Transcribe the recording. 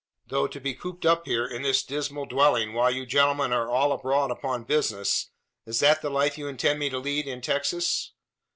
Though to be cooped up here, in this dismal dwelling, while you gentlemen are all abroad upon business is that the life you intend me to lead in Texas?"